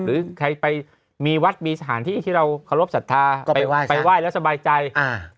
หรือใครไปมีวัดมีสถานที่ที่เราเคารพสัทธาก็ไปไหว้ไปไหว้แล้วสบายใจอ่า